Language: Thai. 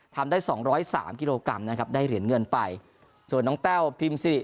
ทำได้สองร้อยสามกิโลกรัมนะครับได้เหรียญเงินไปส่วนน้องแต้วพิมพ์สิริ